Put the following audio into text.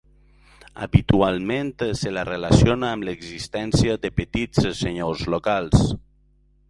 Habitualment se la relaciona amb l'existència de petits senyors locals.